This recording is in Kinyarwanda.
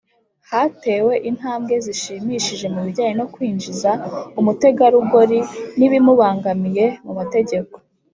hatewe intambwe zishimishije mu bijyanye no kwinjiza umutegarugorin'ibimubangamiye mu mategeko